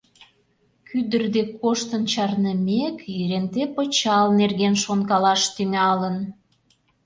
Кӱдыр дек коштын чарнымек, Еренте пычал нерген шонкалаш тӱҥалын.